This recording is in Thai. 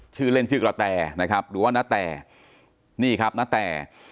ชื่อเล่นชื่อกระแตนะครับหรือว่านาแตนี่ครับณแต่